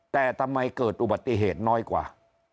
แต่ทำไมเกิดอุบัติเหตุน้อยกว่า